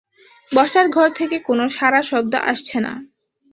বসার ঘর থেকে কোনো সাড়াশব্দ আসছে না।